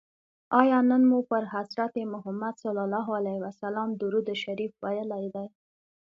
آیا نن مو پر حضرت محمد صلی الله علیه وسلم درود شریف ویلي دی؟